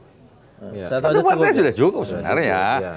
satu partai sudah cukup sebenarnya